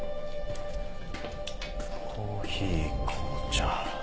コーヒー紅茶。